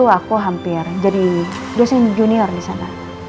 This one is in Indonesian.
dulu aku hampir jadi dosen junior disana